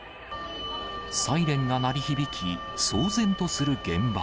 サイレンが鳴り響き、騒然とする現場。